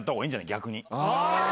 逆に。